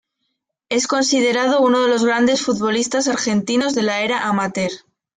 Es considerado uno de los grandes futbolistas argentinos de la era amateur.